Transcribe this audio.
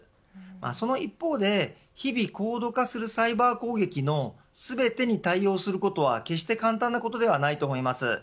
その一方で日々高度化するサイバー攻撃の全てに対応することは決して簡単なことではないと思います。